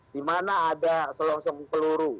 di mana ada selongsong peluru